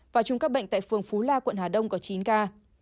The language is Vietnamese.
và chùm ca bệnh tại phường phú la quận hà đông có chín ca